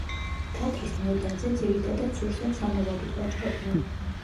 თათრის მოედანზე ძირითადად სურსათ-სანოვაგით ვაჭრობდნენ.